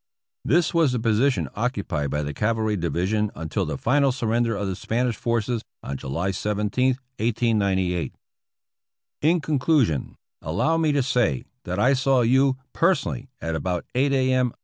This was the position occupied by the Cavalry Division until the final surrender of the Spanish forces, on July 17, 1898. In conclusion allow me to say, that I saw you, person ally, at about 8 a.m.